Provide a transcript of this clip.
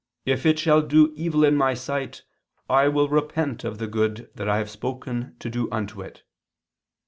If it shall do evil in My sight ... I will repent of the good that I have spoken to do unto it."